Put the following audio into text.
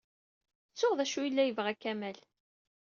Ttuɣ d acu ay yella yebɣa Kamal.